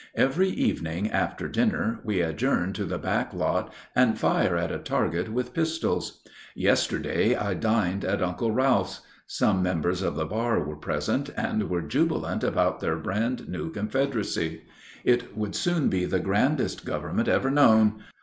Every evening after dinner we adjourn to the back lot and fire at a target with pistols. Yesterday I dined at Uncle Ralph's. Some members of the bar were present, and were jubilant about their brand new Confederacy. It would soon be the grandest government ever known.